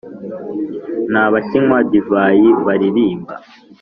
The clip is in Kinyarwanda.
Nta bakinywa divayi baririmba,